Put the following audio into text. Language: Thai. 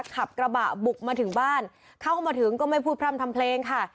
ขับกระบะบุกมาถึงบ้านเข้ามาถึงก็ไม่พูดพร่ำทำเพลงค่ะ